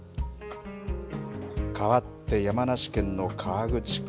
かわって山梨県の河口湖。